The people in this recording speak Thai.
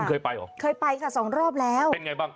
คุณเคยไปเหรอเป็นไงบ้างเคยไปค่ะ๒รอบแล้ว